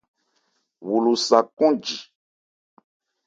Wo lo sa kɔn ji.